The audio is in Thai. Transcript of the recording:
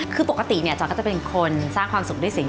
คือปกติเนี่ยจอยก็จะเป็นคนสร้างความสุขด้วยสิ่ง